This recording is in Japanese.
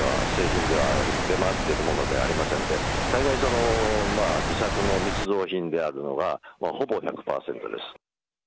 正規の品物では、製品では、出回っているものではありませんで、大概、自作の密造品であるのがほぼ１００％です。